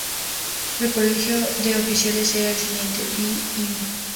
El Colegio de Oficiales era el siguiente: V.·.M.·.